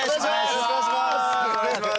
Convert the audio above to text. よろしくお願いします。